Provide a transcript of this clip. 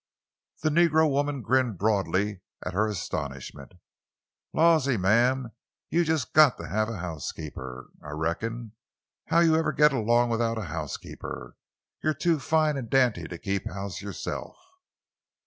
The negro woman grinned broadly at her astonishment. "Lawsey, ma'am; you jes' got to have a housekeeper, I reckon! How you ever git along without a housekeeper? You're too fine an' dainty to keep house you'self!"